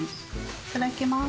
いただきます。